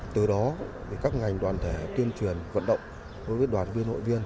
từ đó các ngành đoàn thể tuyên truyền vận động đối với đoàn viên hội viên